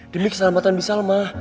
demi keselamatan bisa ma